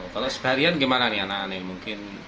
kalau seharian gimana nih anak anak mungkin